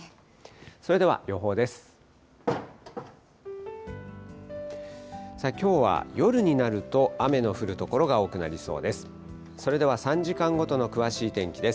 それでは予報です。